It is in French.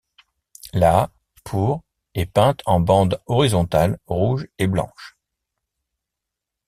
La pour est peinte en bandes horizontales rouges et blanches.